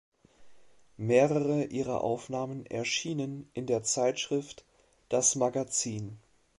Mehrere ihrer Aufnahmen erschienen in der Zeitschrift "Das Magazin".